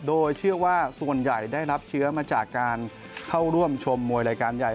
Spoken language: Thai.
โดยเชื่อว่าส่วนใหญ่ได้รับเชื้อมาจากการเข้าร่วมชมมวยรายการใหญ่